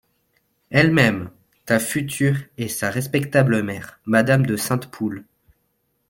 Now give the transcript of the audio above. Elles-mêmes… ta future et sa respectable mère, madame de Sainte-Poule…